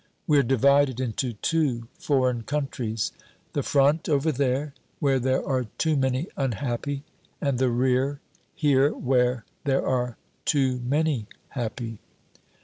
We're divided into two foreign countries. The Front, over there, where there are too many unhappy, and the Rear, here, where there are too many happy."